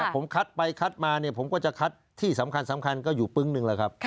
ผมคัดไปคัดมาเนี่ยผมก็จะคัดที่สำคัญก็อยู่ปึ๊งหนึ่งแล้วครับ